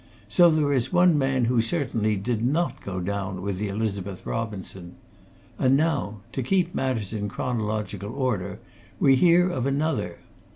So there is one man who certainly did not go down with the Elizabeth Robinson. And now to keep matters in chronological order we hear of another.